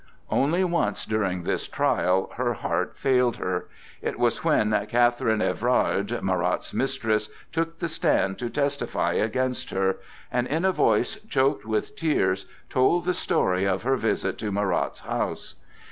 Only once during this trial her heart failed her. It was when Catherine Evrard, Marat's mistress, took the stand to testify against her, and in a voice choked with tears told the story of her visit to Marat's house.